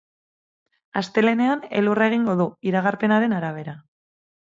Astelehenean elurra egingo du iragarpenaren arabera.